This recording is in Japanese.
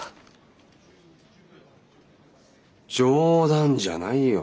冗談じゃないよ